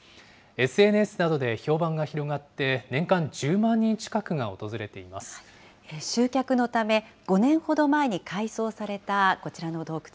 ＳＮＳなどで評判が広がって、年集客のため、５年ほど前に改装されたこちらの洞窟。